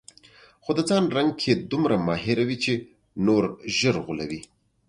خو د ځان رنګ کې دومره ماهره وي چې نور ژر غولوي.